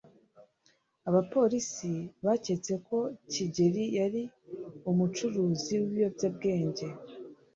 abapolisi baketse ko kigeri yari umucuruzi w'ibiyobyabwenge